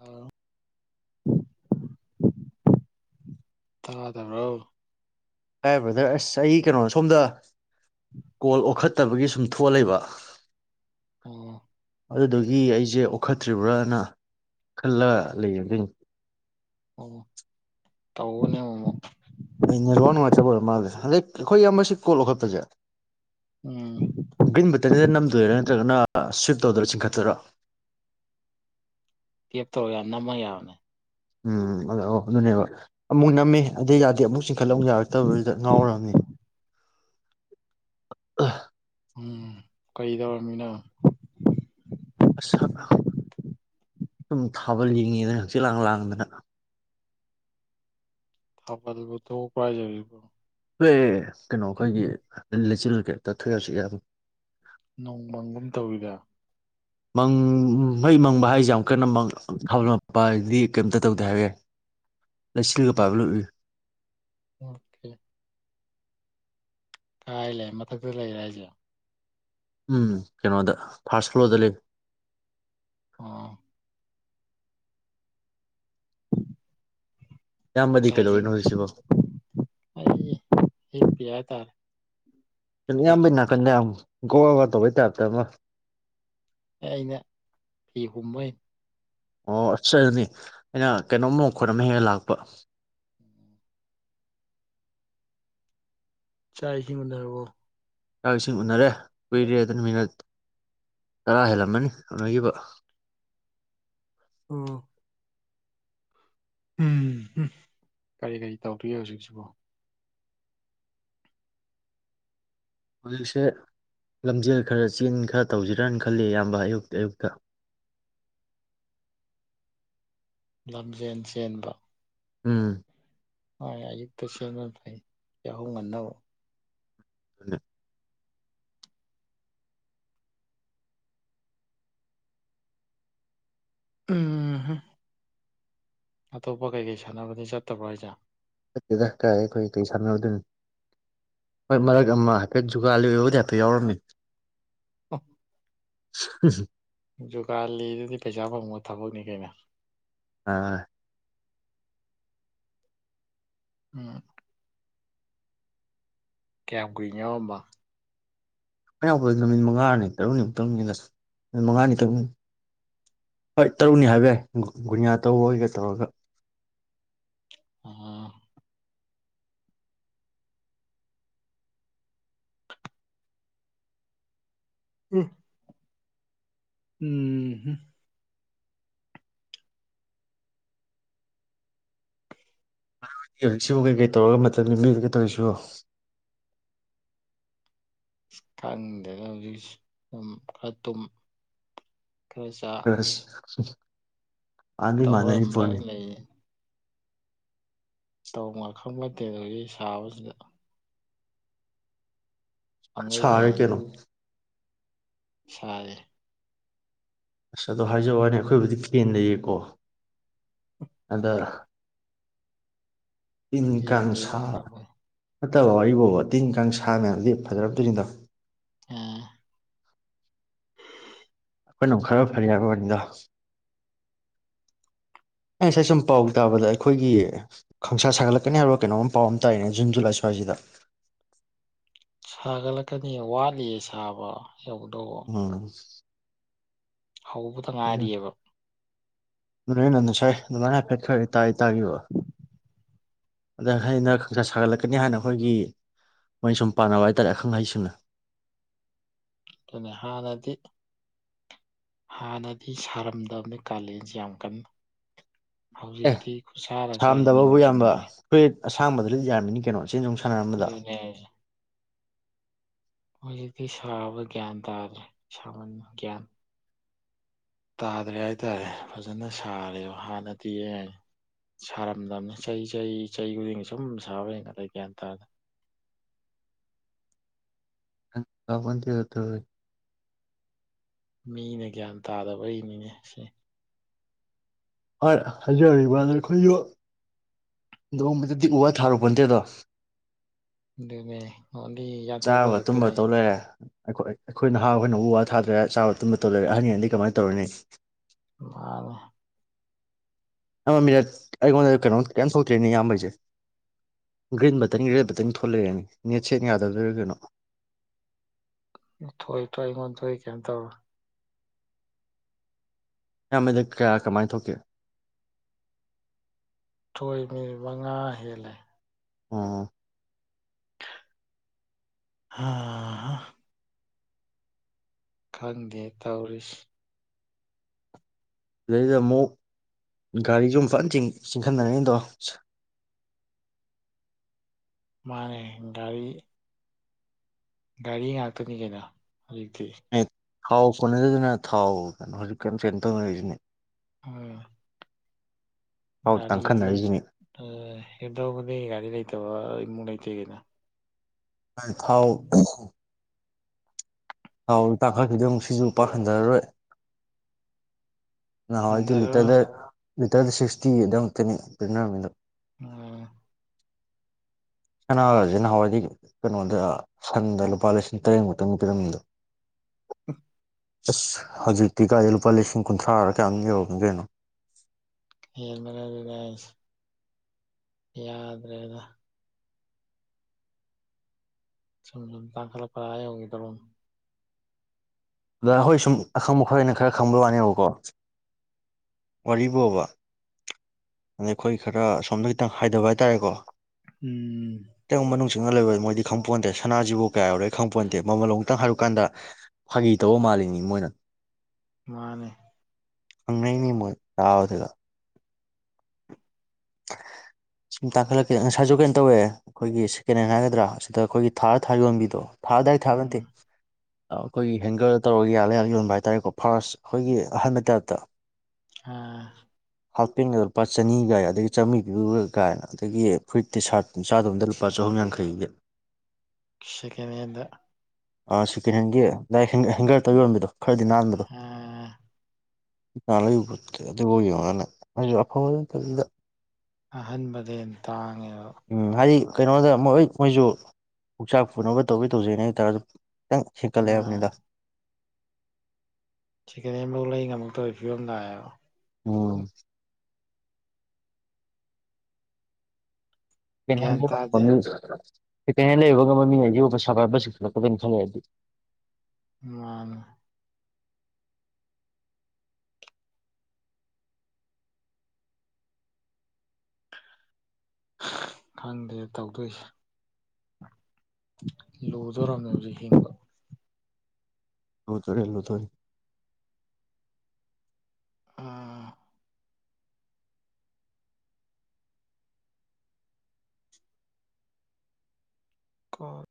ꯑꯥ ꯇꯥꯗꯕ꯭ꯔꯣ hi brother ꯑꯁ ꯑꯩ ꯀꯩꯅꯣ ꯁꯣꯝꯗ ꯀꯣꯜ ꯑꯣꯈꯠꯇꯕꯒꯤ ꯁꯨꯝ ꯊꯣꯛꯂꯦꯕ ꯑꯣ ꯑꯗꯨꯗꯒꯤ ꯑꯩꯁꯦ ꯑꯣꯈꯠꯇ꯭ꯔꯤꯕ꯭ꯔꯅ ꯈꯜꯂꯒ ꯂꯩꯌꯦ ꯑꯗꯨꯢꯅꯤ ꯑꯣ ꯇꯧꯕꯅꯤ ꯑꯃꯨꯃꯨꯛ ꯑꯩ ꯅꯦꯔꯋꯥꯔ ꯅꯨꯡꯉꯥꯏꯇꯕ ꯑꯣꯏꯔ ꯃꯥꯜꯂꯦ ꯍꯟꯗꯛ ꯑꯩꯈꯣꯏ ꯌꯥꯝ ꯁꯤ ꯀꯣꯜ ꯂꯧꯈꯠꯄꯁꯦ ꯎꯝ ꯒ꯭ꯔꯤꯟ ꯕꯇꯔꯟꯅꯤꯗ ꯅꯝꯗꯣꯏꯔꯥ ꯅꯠꯇ꯭ꯔꯒꯅ ꯁ꯭ꯋꯤꯞ ꯇꯧꯗꯣꯏꯔꯥ ꯆꯤꯡꯈꯠꯇꯣꯏꯔꯣ ꯀꯦꯞ ꯇꯧꯔ ꯌꯥ ꯅꯝꯃ ꯌꯥꯔꯅꯦ ꯎꯝ ꯑꯗ ꯑꯗꯨꯅꯦꯕ ꯑꯃꯨꯛ ꯅꯝꯃꯦ ꯑꯗꯨꯗꯩ ꯌꯥꯗꯦ ꯑꯃꯨꯛ ꯆꯤꯡꯈꯠꯂꯨ ꯌꯥꯔꯛꯇꯕꯗꯨꯗ ꯉꯥꯎꯔꯝꯃꯤ ꯎꯝ ꯀꯔꯤ ꯇꯧꯔꯃꯤꯅꯣ ꯑꯁ ꯁꯨꯝ ꯊꯥꯕꯜ ꯂꯤꯡꯉꯤꯗꯅ ꯍꯛꯆꯤ ꯂꯥꯡ ꯂꯥꯡꯗꯅ ꯕꯨ ꯊ ꯄꯥꯏꯖꯕꯤ ꯏꯕꯨ ꯍꯣꯏ ꯀꯩꯅꯣ ꯑꯩꯈꯣꯏꯒꯤ ꯂꯩꯆꯤꯜ ꯀꯛꯗꯔꯥꯒꯁꯨꯌꯥꯕꯅꯤ ꯅꯣꯡꯃꯪꯒꯨꯝ ꯇꯧꯔꯤꯗ ꯃꯪ ꯃꯩ ꯃꯪꯕ ꯍꯥꯏꯁꯦ ꯌꯥꯝ ꯀꯟꯅꯥ ꯍꯧꯔꯛꯄꯗꯤ ꯍꯥꯏꯗꯤ ꯀꯩꯝꯇ ꯇꯧꯗꯦ ꯍꯥꯏꯕ ꯌꯥꯏ ꯂꯩꯆꯤꯜꯒꯥ ꯄꯥꯏꯕ ꯂꫭꯏ ꯎꯏ ꯑꯣꯀꯦ ꯀꯥꯏ ꯂꯩ ꯃꯊꯛꯇ ꯂꯩꯔꯦ ꯍꯥꯏꯁꯦ ꯎꯝ ꯀꯩꯅꯣꯗ ꯐꯥꯔꯁ ꯐ꯭ꯂꯣꯔꯗ ꯂꯩ ꯑꯥ ꯏꯌꯥꯝꯕꯗꯤ ꯆ ꯀꯩꯗꯧꯔꯤꯅꯣ ꯍꯧꯖꯤꯛꯁꯤꯕꯣ ꯑꯩ ꯇ ꯀꯩꯅ ꯌꯥꯝꯝꯕꯅꯥ ꯀꯩꯅ ꯑꯃ ꯒꯣꯒ ꯇꯧꯕꯩ ꯇꯥꯏꯞꯇ ꯑꯃ ꯑꯦ ꯑꯩꯅ ꯐꯤ ꯍꯨꯝꯕꯣꯏꯅꯦ ꯑꯣ ꯑꯁꯤ ꯑꯗꯨꯅꯤ ꯑꯩꯅ ꯀꯩꯅꯣꯝꯃ ꯈꯣꯠ ꯑꯃ ꯍꯦꯛꯟꯅ ꯂꯥꯛꯄ ꯆꯥꯛ ꯏꯁꯤꯡ ꯎꯅꯔꯥꯕꫭ ꯆꯥꯛ ꯏꯁꯤꯡ ꯎꯅꯔꯦ ꯀꯨꯏꯔꯦ ꯑꯗꯨꯅ ꯃꯤꯅꯠ ꯇꯔꯥ ꯍꯦꯜꯂꯝꯃꯅꯤ ꯎꯅꯈꯤꯕ ꯎꯝ ꯎꯝꯝ ꯀꯔꯤ ꯀꯔꯤ ꯇꯧꯔꯤꯒꯦ ꯍꯧꯖꯤꯛꯁꯤꯕꯣ ꯍꯧꯖꯤꯛꯁꯦ ꯂꯝꯖꯦꯜ ꯈꯔ ꯆꯦꯟ ꯈꯔ ꯇꯧꯁꯤꯔꯅ ꯈꯜꯂꯤ ꯑꯌꯥꯝꯕ ꯑꯌꯨꯛꯇ ꯑꯌꯨꯛꯇ ꯂꯝꯖꯦꯟ ꯆꯦꯟꯕ ꯎꯝ ꯑꯌꯨꯛꯇ ꯁꯦꯝꯅ ꯐꯩ ꯌꯥꯍꯧꯉꯟꯅꯕ [unintelligible] ꯎꯝ ꯑꯇꯣꯞꯄ ꯀꯩꯀꯩ ꯁꯥꯟꯅꯕꯅꯤ ꯆꯠꯇꯕ꯭ꯔꯥ ꯍꯥꯏꯁꯦ ꯆꯠꯇꯦꯗ ꯑꯩꯈꯣꯏꯅ ꯀꯩ ꯁꯥꯟꯅꯔꯨꯗꯣꯏꯅꯤ ꯍꯣꯏ ꯃꯔꯛ ꯑꯃ ꯍꯥꯏꯐꯦꯠ ꯖꯨꯒꯥꯂꯤꯔꯕꯨꯗꯤ ꯍꯥꯏꯐꯦꯠ ꯌꯥꯎꯔꯝꯃꯤ [unintelligible] [unintelligible] ꯖꯨꯒꯥꯥꯂꯤꯗꯨꯗꯤ ꯄꯩꯁꯥ ꯐꯪꯕ ꯊꯕꯛꯅꯤ ꯀꯩꯅꯣ ꯑꯥ ꯎꯝ ꯀꯌꯥꯝ ꯀꯨꯏꯅ ꯌꯥꯎꯔꯝꯕ ꯅꯨꯃꯤꯠ ꯃꯉꯥꯅꯤ ꯇꯔꯨꯛꯅꯤꯃꯨꯛꯇꯪꯅꯤꯗ ꯅꯨꯃꯤꯠ ꯃꯉꯥꯅꯤꯅꯤ ꯍꯣꯏ ꯇꯔꯨꯛꯅꯤ ꯍꯥꯏꯕ ꯌꯥꯏ ꯒꯨꯅꯤꯌꯥ ꯇꯧꯕ ꯑꯣꯏꯒ ꯇꯧꯔꯒ ꯑꯥ ꯎꯝ ꯎꯝ ꯁꯤꯕꯨ ꯀꯩꯀꯩ ꯇꯧꯔꯒ ꯃꯇꯝ ꯂꯦꯟꯕꯤꯕꯒꯦ ꯇꯧꯔꯤꯁꯤ ꯈꯪꯗꯦꯗꯥ ꯍꯧꯖꯤꯛꯁꯦ ꯈꯔ ꯑꯗꯨꯝ [unintelligible] ꯃꯥꯟꯗꯤ ꯇꯧꯔ ꯃꯥꯟꯅꯔꯤ ꯑꯗꯨꯝ ꯄꯣꯠꯅꯤ ꯄꯪꯂꯩ ꯇꯧꯉ ꯈꯐꯝ ꯅꯠꯇꯦꯗ ꯍꯧꯖꯤꯛ ꯁꯥꯕꯁꯤꯗ ꯄꯪꯂꯩ ꯁꯥꯔꯦ ꯀꯩꯅꯣ ꯁꯥꯔꯦ ꯑꯁ ꯑꯗꯣ ꯍꯥꯏꯖꯕ ꯋꯥꯅꯤ ꯑꯩꯈꯣꯏꯕꯨꯗꯤ ꯐꯦꯟ ꯂꯩꯌꯦꯀꯣ ꯑꯗ ꯐꯦꯟ ꯏꯟꯀꯥꯟ ꯂꯩꯕ ꯁꯔ ꯉꯝꯃꯣꯏ꯫ ꯐꯠꯇꯕ ꯋꯥꯔꯤꯕꯣꯕ ꯇꯤꯟ ꯀꯥꯡ ꯁꯥ ꯃꯌꯥꯝꯁꯤ ꯐꯖꯔꯛꯇꯣꯏꯅꯤꯗꯣ ꯑꯥ [inaudible] ꯑꯩꯈꯣꯏꯅ ꯑꯃꯨꯛ ꯈꯔ ꯐꯔ ꯍꯥꯏꯕ ꯑꯣꯅꯤꯗ ꯑꯩ ꯉꯁꯥꯏ ꯁꯨꯝ ꯄꯥꯎ ꯇꯥꯕꯗ ꯑꯩꯈꯣꯏꯒꯤ ꯈꯪꯁꯥ ꯁꯥꯒꯠꯂꯛꯀꯅꯤ ꯍꯥꯏꯕ ꯀꯩꯅꯣꯝ ꯄꯥꯎ ꯑꯃ ꯇꯥꯅꯦ ꯖꯨꯟ ꯖꯨꯂꯥꯏ ꯁ꯭ꯋꯥꯏꯁꯤꯗ ꯁꯥꯒꯠꯂꯛꯀꯅꯤ ꯋꯥꯠꯂꯤꯌꯦ ꯁꯥꯕ ꯌꯧꯗꯧꯕ ꯎꯝ ꯍꯧꯕꯇ ꯉꯥꯏꯔꯤꯑꯦꯕ ꯅꯣꯏꯅ ꯉꯁꯥꯏ ꯑꯗꯨꯃꯥꯏꯅ ꯍꯥꯏꯐꯦꯠ ꯈꯔ ꯇꯥꯛꯑꯦ ꯇꯥꯈꯤꯕ ꯑꯗ ꯑꯩꯅ ꯈꯪꯁꯥ ꯁꯥꯒꯠꯂꯛꯀꯅꯤ ꯍꯥꯏꯅ ꯑꯩꯈꯣꯏꯒꯤ ꯑꯩꯈꯣꯏ ꯁꯨꯝ ꯄꯥꯅꯕ ꯍꯥꯏꯇꯥꯔꯦ ꯑꯈꯪ ꯑꯍꯩꯁꯤꯡꯅ ꯑꯗꯨꯅꯦ ꯍꯥꯟꯅꯗꯤ ꯍꯥꯟꯅꯗꯤ ꯁꯥꯔꯝꯗꯕꯅꯤ ꯀꯥꯂꯦꯟꯁꯦ ꯌꯥꯝ ꯀꯟꯅ ꯑꯦ ꯍꯧꯖꯤꯛꯇꯤ ꯈꯨꯠꯁꯥ ꯂꯥꯛꯁꯁꯤ ꯅꯤꯌꯣꯝ ꯆꯨꯝꯗ꯭ꯔꯦ ꯑꯁꯥꯥꯡꯕꯗꯤ ꯂꯣꯠ ꯌꯥꯔꯝꯃꯤꯅꯤ ꯀꯩꯅꯣ ꯆꯦꯟꯖꯣꯡ ꯁꯥꯟꯅꯔꯝꯕ ꯗꯣ ꯑꯗꯨꯅꯦ ꯍꯥꯏꯁꯦ ꯍꯧꯖꯤꯛꯇꯤ ꯁꯥꯕ ꯒꯌꯥꯟ ꯇꯥꯗ꯭ꯔꯦ ꯁꯥꯃꯟ ꯒ꯭ꯌꯥꯟ ꯇꯥꯗ꯭ꯔꯦ ꯍꯥꯏꯇꯥꯔꯦ ꯐꯖꯅ ꯁꯥꯔꯦꯕ ꯍꯥꯟꯅꯗꯤ ꯁꯥꯔꯝꯗꯝꯅꯤ ꯆꯩ ꯆꯩ ꯆꯍꯤ ꯈꯨꯗꯤꯡꯒꯤ ꯁꯨꯝ ꯁꯥꯕ ꯍꯦꯟꯒꯠꯂꯛꯏ ꯒꯌꯥꯟ ꯇꯥꯗꯦ ꯒ꯭ꯌꯥꯟ ꯇꯥꯄꯣꯠ ꯇꯦꯗ ꯇꯧꯔꯤꯁꯦ꯫ ꯃꯤꯅ ꯒꯌꯥꯟ ꯇꯥꯗꯕꯩꯅꯤꯅꯦ ꯁꯤ ꯍꯣꯏ ꯍꯥꯏꯖꯔꯤꯕꯗꯨꯅꯤ ꯑꯩꯈꯣꯏꯁꯨ ꯅꯣꯡꯃꯇꯗꯤ ꯎ ꯋꯥ ꯊꯥꯔꯨꯕꯟꯇꯦꯗꯣ꯫ ꯑꯗꯨꯅꯦ ꯑꯣꯟꯂꯤ ꯌꯥꯟꯊꯠꯄ ꯇꯨꯝꯕ ꯈꯛꯇꯅꯦ ꯇꯧ ꯂꯩꯔꯦ ꯑꯩꯈꯣꯏ ꯑꯩꯈꯣꯏ ꯅꯍꯥ ꯈꯣꯏꯅ ꯎ ꯋꯥ ꯊꯥꯗ꯭ꯔꯦ ꯆꯥꯕ ꯇꯨꯝꯕ ꯇꯧ ꯂꯩꯔꯦ ꯑꯍꯅꯒꯩꯟꯗꯤ ꯀꯃꯥꯏꯅ ꯇꯧꯔꯨꯅꯤ ꯃꯥꯅꯦ ꯑꯃ ꯃꯤꯅꯠ ꯑꯩꯉꯣꯟꯗꯗꯤ ꯀꯩꯅꯣꯝ ꯀꯩꯝ ꯊꯣꯛꯇ꯭ꯔꯦꯅꯦ ꯏꯌꯥꯝꯕꯩꯁꯦ ꯒ꯭ꯔꯤꯟ ꯕꯇꯟ ꯔꯦꯠ ꯕꯇꯟ ꯊꯣꯂꯛꯑꯦꯅꯦ ꯅꯦꯠꯁꯦ ꯌꯥꯗꯕꯩꯔ ꯀꯩꯅꯣ ꯊꯣꯛꯏ ꯊꯣꯏ ꯑꯩꯉꯣꯟ ꯊꯣꯏ ꯀꯦꯝ ꯇꯧꯔꯣꯢ ꯌꯥꯝꯕꯗ ꯀꯌꯥ ꯀꯃꯥꯏꯅ ꯊꯣꯛꯀꯦ ꯊꯣꯏ ꯃꯤꯅꯠ ꯃꯉꯥ ꯍꯦꯜꯂꯦ ꯑꯥ ꯍꯥ ꯍ ꯈꯪꯗꯦ ꯇꯧꯔꯤꯁꯤ ꯗꯩꯗ ꯑꯃꯨꯛ ꯒꯥꯔꯤꯖꯨ ꯑꯃ ꯐꯟ ꯆꯤꯡ ꯆꯤꯟꯈꯠꯅꯔꯩꯅꯗꯣ ꯃꯥꯅꯦ ꯒꯥꯔꯤ ꯒꯥꯔꯤ ꯉꯥꯛꯇꯅꯤ ꯀꯩꯅꯣ [unintelligible] ꯑꯦ ꯊꯥꯎ ꯀꯣꯟꯅꯗꯗꯅ ꯊꯥꯎ ꯀꯩꯅꯣ ꯍꯧꯖꯤꯛ ꯀꯩꯅ ꯀꯩꯅ ꯇꯧꯅꯔꯤꯁꯤꯅꯤ ꯑꯝ ꯊꯥꯎ ꯒꯥꯔꯤ ꯌꯨꯝꯁꯤ ꯇꯥꯡꯈꯠꯅꯔꯤꯁꯤꯅꯤ ꯑ ꯒꯥꯔꯤ ꯂꯩ ꯇꯕ [unintelligible] ꯊꯥꯎ ꯍꯥꯎ ꯇꯥꯡꯈꯠꯂꯤꯗꯨ ꯌꯦꯉꯨ ꯁꯤꯁꯨ ꯄꯥꯛ ꯍꯟꯗꯔꯔꯣꯢ ꯅꯍꯋꯥꯢꯗꯤ ꯍꯟꯊꯔꯣ ꯂꯤꯇꯔꯗ ꯂꯤꯇꯔꯗ ꯁꯤꯛꯁꯇꯤ ꯑꯗꯨꯋꯥꯢꯃꯨꯛꯇꯅꯤ ꯄꯤꯅꯔꯝꯃꯤꯗꯨ ꯑ ꯁꯅꯥꯒꯁꯤ ꯅꯍꯥꯟꯋꯥꯏꯗꯤ ꯀꯩꯅꯣꯗ ꯁꯟꯗ ꯂꯨꯄꯥ ꯂꯤꯁꯤꯡ ꯇꯔꯦꯠꯃꯨꯛꯇꯅꯤ ꯄꯤꯔꯝꯃꯤꯗꯨ ꯑꯁ ꯍꯧꯖꯤꯛꯇꯤ ꯀꯥꯏꯗꯩ ꯂꯨꯄꯥ ꯂꯤꯁꯤꯡ ꯀꯨꯟꯊ꯭ꯔꯥꯔ [unintelligible] [unintelligible] ꯍꯥꯢꯁꯤ ꯌꯥꯗ꯭ꯔꯦꯗ ꯁꯨꯝ ꯁꯨꯝ ꯇꯥꯡꯈꯠꯂꯛꯄꯗ ꯑꯥ ꯌꯧꯒꯤꯗꯣꯔꯕꯅꯦ ꯗꯗꯥ ꯍꯣꯏ ꯁꯨꯝ ꯑꯈꯪꯕ ꯈꯔ ꯑꯣꯏꯅ ꯈꯔ ꯈꯪꯕ ꯋꯥꯅꯦꯕꯀꯣ ꯋꯥꯔꯨꯕꯣꯕ ꯑꯗꯩ ꯑꯈꯣꯏ ꯈꯔ ꯑꯁꯣꯝꯗꯩ ꯈꯤꯇꯪ ꯍꯥꯏꯗꯕ ꯍꯥꯏꯇꯥꯔꯦꯀꯣ ꯎꯝ ꯆꯤꯡꯅꯂꯩꯕꯣꯢ ꯃꯣꯏꯗꯤ ꯈꯪꯄꯣꯟꯇꯦ ꯁꯅꯥꯖꯤꯕꯨ ꯀꯌꯥ ꯌꯧꯔꯦ ꯈꯪꯄꯣꯟꯇꯦ ꯃꯃꯜ ꯑꯃꯨꯛꯇꯪ ꯍꯥꯏꯔꯨꯀꯥꯟꯗ ꯐꯥꯒꯤ ꯇꯧꯕ ꯃꯥꯜꯂꯤꯅꯤ ꯃꯣꯏꯅ ꯃꯥꯅꯤ ꯍꯡꯅꯩꯅꯤ ꯃꯣꯢ ꯇꯥꯕꯗꯒ ꯁꯨꯝ ꯇꯥꯈꯠꯂꯛꯀꯦ ꯉꯁꯥꯏꯁꯨ ꯀꯩꯅꯣ ꯇꯧꯋꯦ ꯑꯩꯈꯣꯏꯒꯤ ꯁꯦꯀꯦꯟ ꯍꯦꯟ ꯍꯥꯏꯒꯗ꯭ꯔꯥ ꯁꯤꯗ ꯑꯩꯈꯣꯏꯒꯤ ꯊꯥ ꯊꯥ ꯌꯣꯟꯕꯤꯗꯣ ꯎꯝ [unintelligible] ꯑꯈꯣꯏꯒꯤ ꯍꯦꯡꯒꯔ ꯇꯧꯔ ꯌꯥꯜꯂ ꯌꯥꯜꯂ ꯌꯣꯟꯕ ꯍꯥꯏꯇꯥꯔꯦꯀꯣ ꯐꯥꯔꯁꯠ ꯑꯈꯣꯏꯒꯤ ꯑꯍꯟꯕ ꯇꯥꯏꯞꯇ ꯎꯝ ꯍꯥꯄꯦꯒꯗꯣ ꯂꯨꯄꯥ ꯆꯅꯤ ꯒꯥꯌꯦ ꯑꯗꯩ ꯆꯥꯝꯃꯔꯤꯗꯨ ꯀꯥꯏꯅ ꯑꯗꯒꯤ ꯐꯨꯏꯠꯇꯤ ꯁꯥꯔꯠ ꯆꯥꯗꯣꯝꯗ ꯂꯨꯄꯥ ꯆꯍꯨꯝ ꯌꯥꯡꯈꯩꯒꯤ ꯁꯤꯀꯦꯂꯦꯟꯗ ꯁꯦꯀꯦꯟ ꯍꯦꯟꯒꯤ ꯂꯛ ꯍꯦꯡꯒꯔꯗ ꯌꯣꯟꯝꯕꯤꯗꯣ ꯈꯔꯗꯤ ꯅꯥꯟꯕꯗꯣ ꯑꯥ ꯀꯥꯅ ꯄꯨꯦ ꯑꯗꯨꯅ [inaudible] ꯑꯍꯟꯕꯗꯩ ꯍꯦꯟꯅꯥ ꯇꯥꯡꯉꯦꯕ ꯎꯝ ꯍꯥꯏ ꯀꯩꯅꯣꯗ ꯃꯣꯏ ꯃꯣꯏꯁꯨ ꯄꯨꯛꯆꯥꯛ ꯄꯨꯅꯕ ꯇꯧꯗꯤ ꯇꯧꯖꯩꯅꯦ ꯍꯥꯏꯇꯥꯔꯁꯨ ꯈꯤꯇꯪ ꯍꯦꯟꯀꯠꯂꯦ ꯃꯥ ꯍꯥꯏꯕꯅꯤꯗ ꯁꯦꯀꯜ ꯍꯦꯟ ꯐꯥ ꯂꯩ ꯉꯝ ꯃꯛꯇꯕꯩ ꯐꯤꯕꯝ ꯂꯥꯛꯑꯕ ꯎ [inaudible] ꯒ꯭ꯌꯥꯟ ꯇꯥꯗꯦ ꯁꯦꯐꯣꯟꯗ ꯍꯟꯗ ꯂꯩꯕꯥ ꯉꯝꯕ ꯁꯤꯡꯁꯦ ꯄꯩꯁꯥ ꯄꯥꯏꯕꯥ ꯆꯤꯡ ꯈꯠꯂꯛ ꯑꯥꯕꯥ ꯀꯩꯅꯣꯝ ꯇꯔꯤ ꯃꯥꯅꯦ ꯈꯪꯗꯦ ꯇꯧꯗꯣꯏꯁꯦ ꯂꯨꯗꯣꯔꯝꯃꯦ ꯍꯧꯖꯤꯛ ꯍꯤꯡꯕ ꯂꯨꯗꯣꯔꯦ ꯂꯨꯗꯣꯔꯦ꯫ ꯑꯥ ꯑ